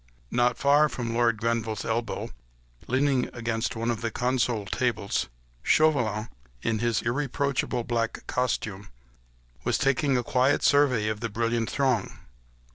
Not far from Lord Grenville's elbow, leaning against one of the console tables, Chauvelin, in his irreproachable black costume, was taking a quiet survey of the brilliant throng.